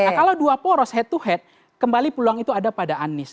nah kalau dua poros head to head kembali peluang itu ada pada anies